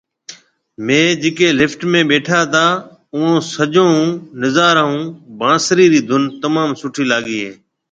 ميهه جڪي لفٽ ۾ ٻيٺا تا اوئون سجون او نظارو هان بانسري ري ڌُن تموم سٺي لاگي